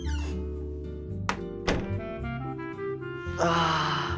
ああ。